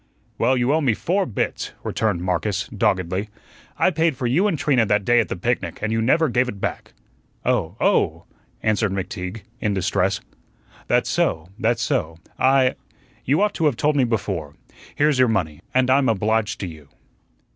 "Well, you owe me four bits," returned Marcus, doggedly. "I paid for you and Trina that day at the picnic, and you never gave it back." "Oh oh!" answered McTeague, in distress. "That's so, that's so. I you ought to have told me before. Here's your money, and I'm obliged to you."